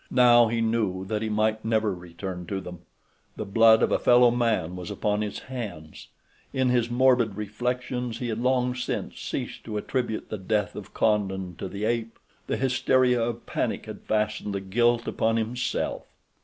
Now he knew that he might never return to them. The blood of a fellow man was upon his hands—in his morbid reflections he had long since ceased to attribute the death of Condon to the ape. The hysteria of panic had fastened the guilt upon himself.